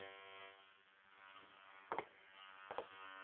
El primer director fue Jan Matejko, el patrón actual de la universidad.